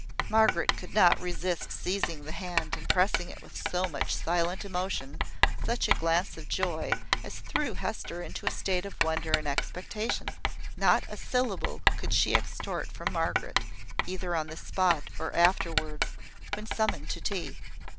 Margaret could not resist seizing the hand, and pressing it with so much silent emotion, such a glance of joy, as threw Hester into a state of wonder and expectation. Not a syllable could she extort from Margaret, either on the spot or afterwards, when summoned to tea.